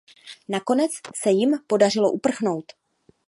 Nakonec se jim podařilo uprchnout.